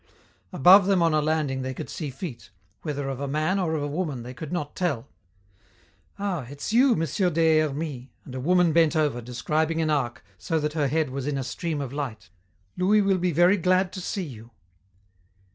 Above them on a landing they could see feet, whether of a man or of a woman they could not tell. "Ah! it's you, M. des Hermies," and a woman bent over, describing an arc, so that her head was in a stream of light. "Louis will be very glad to see you."